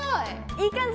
いい感じ？